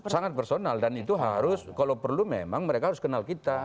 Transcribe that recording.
sangat personal dan itu harus kalau perlu memang mereka harus kenal kita